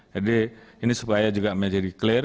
jadi ini supaya juga menjadi clear